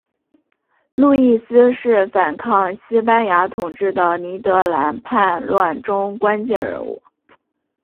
路易斯是反抗西班牙统治的尼德兰叛乱中关键人物。